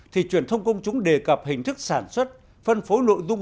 thì truyền thông công chúng đề cập hình thức sản xuất phân phối nội dung